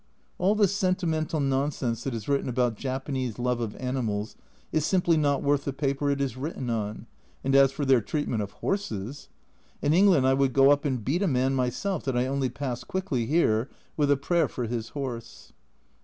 All the sentimental nonsense that is written about Japanese love of animals is simply not worth the paper it is written on, and as for their treatment of horses ! In England I would go up and beat a man myself that I only pass quickly here, with a prayer for his horse.